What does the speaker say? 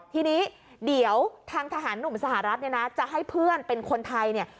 ทีนี้เดี๋ยวทางทหารหนุ่มสหรัฐจะให้เพื่อนเป็นคนไทย